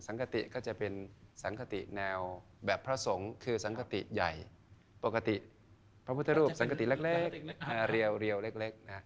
คติก็จะเป็นสังคติแนวแบบพระสงฆ์คือสังคติใหญ่ปกติพระพุทธรูปสังกติเล็กเรียวเล็กนะ